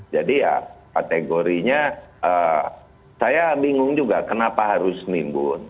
jadi ya kategorinya saya bingung juga kenapa harus nimbun